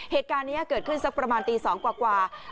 เหตุการณ์นี้เกิดขึ้นสักประมาณตี๒กว่า